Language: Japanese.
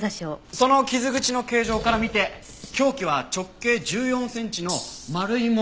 その傷口の形状から見て凶器は直径１４センチの丸い物だと思う。